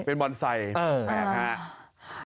เป็นบอนไซด์แหละฮะ